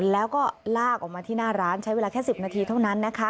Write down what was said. แล้วก็ลากออกมาที่หน้าร้านใช้เวลาแค่๑๐นาทีเท่านั้นนะคะ